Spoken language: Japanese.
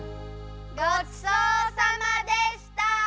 ごちそうさまでした！